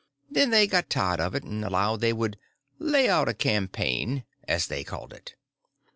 Then they got tired of it, and allowed they would "lay out a campaign," as they called it.